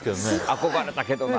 憧れたけどな。